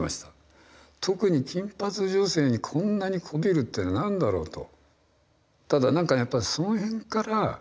特に金髪女性にこんなにこびるっていうのは何だろうと。